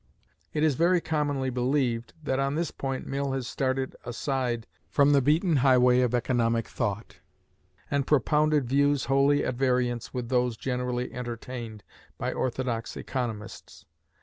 It is very commonly believed, that on this point Mill has started aside from the beaten highway of economic thought, and propounded views wholly at variance with those generally entertained by orthodox economists.